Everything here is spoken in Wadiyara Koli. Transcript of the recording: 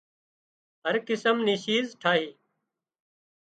هر قسم نِي شِيز ٺاهِي